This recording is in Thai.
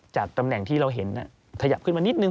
ตำแหน่งที่เราเห็นขยับขึ้นมานิดนึ